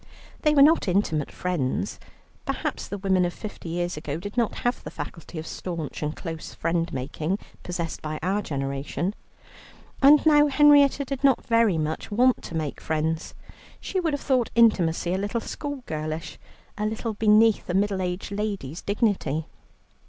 They were not intimate friends. Perhaps the women of fifty years ago did not have the faculty of staunch and close friend making possessed by our generation. And now Henrietta did not very much want to make friends. She would have thought intimacy a little schoolgirlish, a little beneath a middle aged lady's dignity.